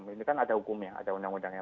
ini kan ada hukumnya ada undang undangnya